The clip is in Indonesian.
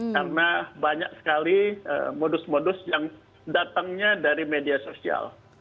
karena banyak sekali modus modus yang datangnya dari media sosial